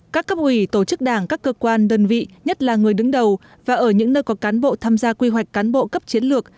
các cấp ủy tổ chức đảng các cơ quan đơn vị nhất là người đứng đầu và ở những nơi có cán bộ tham gia quy hoạch cán bộ cấp chiến lược